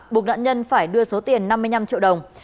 buộc nạn nhân phải đưa số tiền năm mươi năm triệu đồng